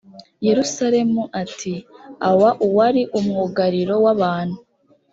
yerusalemu ati awa uwari umwugariro w abantu